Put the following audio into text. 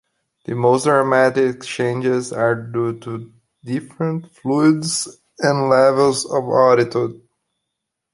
The most dramatic changes are due to different fluids and levels of altitude.